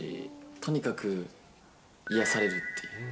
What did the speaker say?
とにかく癒やされるっていう。